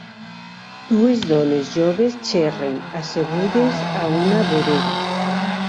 Dues dones joves xerren assegudes a una vorera